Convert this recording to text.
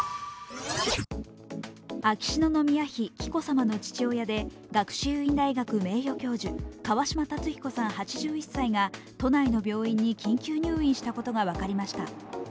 秋篠宮妃・紀子さまの父親で学習院大学名誉教授、川嶋辰彦さん８１歳が都内の病院に緊急入院したことが分かりました。